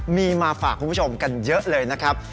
มีมาฝากคุณผู้ชมกันเยอะเลยนะครับ